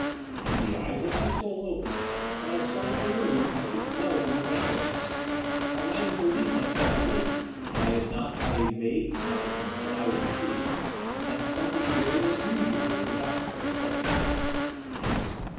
The eyes of my soul opened, and I saw my room as it was in reality. I might have believed myself awake, if I had not had a vague consciousness that I was asleep, and that something very unusual was about to take place.